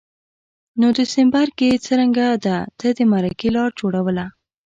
نو دسمبر کي یې څرنګه ده ته د مرکې لار جوړوله